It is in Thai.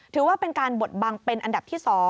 ถือว่าเป็นการบดบังเป็นอันดับที่๒